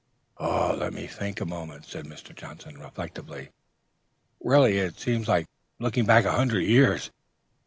"Let me think a moment," said Mr. Johnson, reflectively. "Really, it seems like looking back a hundred years.